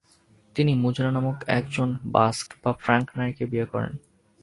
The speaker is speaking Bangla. তিনি মুজনা নামক একজন বাস্ক বা ফ্রাঙ্ক নারীকে বিয়ে করেন।